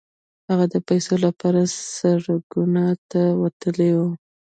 هغه د پيسو لپاره سړکونو ته وتلی و.